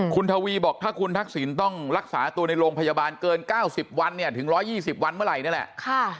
คุณทวีบอกถ้าคุณทักษิณต้องรักษาตัวในโรงพยาบาลเกิน๙๐วันเนี่ยถึง๑๒๐วันเมื่อไหร่นี่แหละ